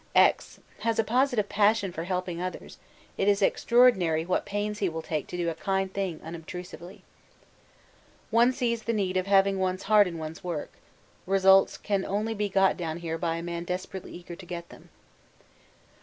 X.... has a positive passion for helping others it is extraordinary what pains he will take to do a kind thing unobtrusively. 'One sees the need of having one's heart in one's work. Results can only be got down here by a man desperately eager to get them.